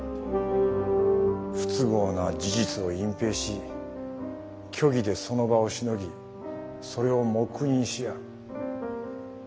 不都合な事実を隠蔽し虚偽でその場をしのぎそれを黙認し合う。